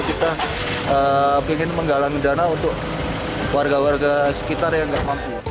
kita ingin menggalang dana untuk warga warga sekitar yang tidak mampu